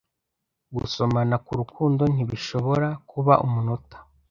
Gusomana k'urukundo ntibishobora kuba umunota.